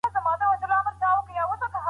راتلونکې شېبه معلومه نه ده.